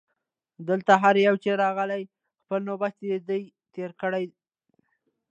دلته هر یو چي راغلی خپل نوبت یې دی تېر کړی